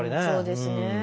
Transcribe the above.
そうですね。